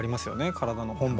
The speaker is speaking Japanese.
体の本番。